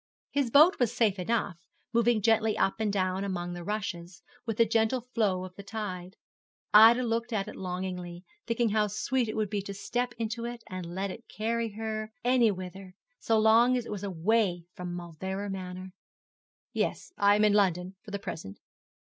His boat was safe enough, moving gently up and down among the rushes, with the gentle flow of the tide. Ida looked at it longingly, thinking how sweet it would be to step into it and let it carry her any whither, so long as it was away from Mauleverer Manor. 'Yes, I am in London for the present.'